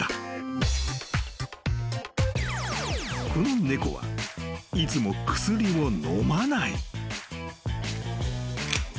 ［この猫はいつも薬を飲まない］